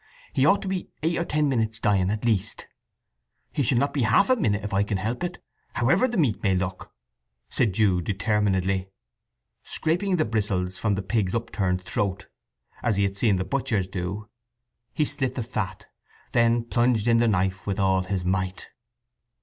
He ought to be eight or ten minutes dying, at least." "He shall not be half a minute if I can help it, however the meat may look," said Jude determinedly. Scraping the bristles from the pig's upturned throat, as he had seen the butchers do, he slit the fat; then plunged in the knife with all his might.